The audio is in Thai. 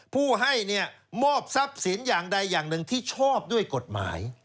ผู้ให้เนี่ยมอบทรัพย์สินอย่างใดอย่างหนึ่งที่ชอบด้วยกฎหมาย